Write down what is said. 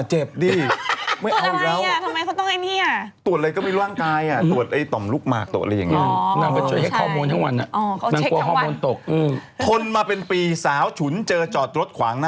หมายถึงจอบมาเป็นปีหรอ